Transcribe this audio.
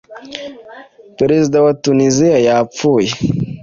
Perezida wa Tuniziya yapfuye